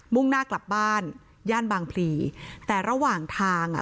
่งหน้ากลับบ้านย่านบางพลีแต่ระหว่างทางอ่ะ